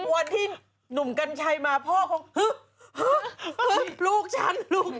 วันที่หนุ่มกัญชัยมาพ่อเค๊อ๊ะลูกฉัน